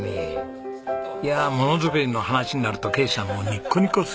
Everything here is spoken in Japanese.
いやものづくりの話になると啓二さんはニッコニコっすね！